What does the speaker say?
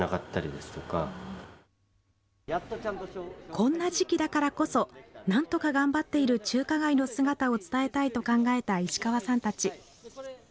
こんな時期だからこそ、なんとか頑張っている中華街の姿を伝えたいと考えた石河さんたち。